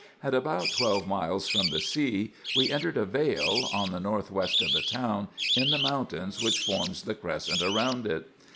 At about twelve miles from the sea we entered a vale, on the north west of the town, in the mountain which forms the crescent round it.